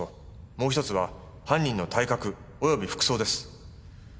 もうひとつは犯人の体格および服装です。